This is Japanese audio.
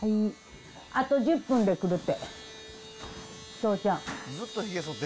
あと１０分で来るって、父ちゃん。